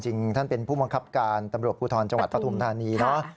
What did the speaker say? จริงท่านเป็นผู้มงคับการตำรวจกุธรจังหวัดประถูมฐานี